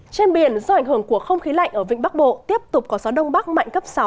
trên biển do ảnh hưởng của không khí lạnh ở vịnh bắc bộ tiếp tục có gió đông bắc mạnh cấp sáu